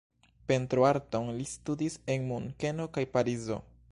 Pentroarton li studis en Munkeno kaj Parizo.